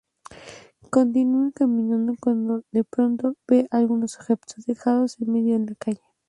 Continua caminando, cuando de pronto ve algunos objetos dejados en medio de la calle.